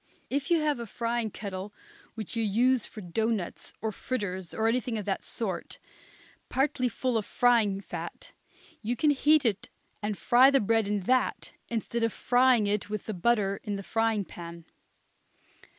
If you have a frying kettle which you use for doughnuts or fritters, or anything of that sort, partly full of frying fat, you can heat it and fry the bread in that instead of frying it with the butter in a frying pan.